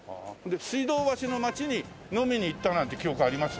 水道橋の街に飲みに行ったなんて記憶あります？